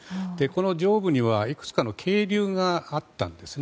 上部にはいくつかの渓流があったんですね。